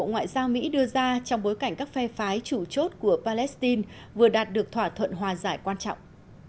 ngoại giao mỹ đưa ra trong bối cảnh các phe phái chủ chốt của palestine vừa đạt được thỏa thuận hòa giải quan trọng